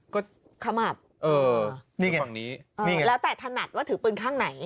ก็คำอาบนี่ไงนี่ไงแล้วแต่ถนัดว่าถือปืนข้างไหน